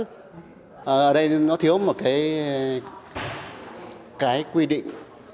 ở đây nó thiếu một cái quy định